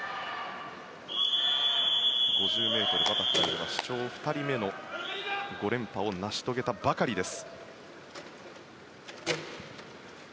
５０ｍバタフライでは史上２人目の５連覇を成し遂げたばかりです。